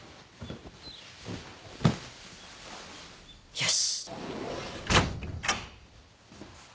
よし。